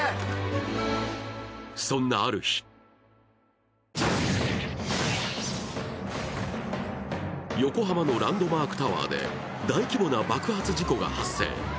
そんなある日横浜のランドマークタワーで大規模な爆発事故が発生。